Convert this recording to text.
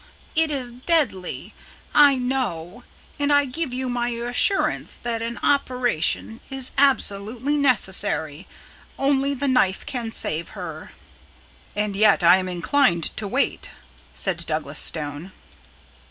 It is deadly. I know, and I give you my assurance that an operation is absolutely necessary. Only the knife can save her." "And yet I am inclined to wait," said Douglas Stone.